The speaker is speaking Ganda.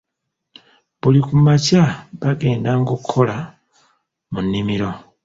Buli ku makya bagenda ng'okola mu nnimiro.